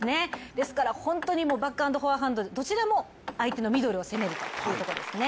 ですから本当にバック＆フォアハンド、どちらも相手のミドルを攻めるというところですよね。